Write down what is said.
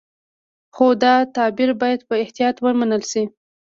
خو دا تعبیر باید په احتیاط ومنل شي.